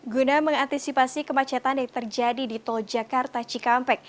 guna mengantisipasi kemacetan yang terjadi di tol jakarta cikampek